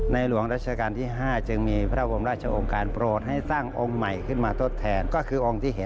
ในหลวงรัชกาลที่๕